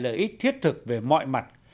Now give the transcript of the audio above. lợi ích thiết thực về mọi mặt